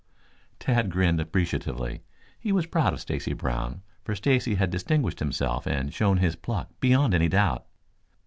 Tad grinned appreciatively. He was proud of Stacy Brown, for Stacy had distinguished himself and shown his pluck beyond any doubt.